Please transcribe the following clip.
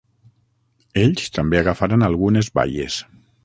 Ells també agafaran algunes baies.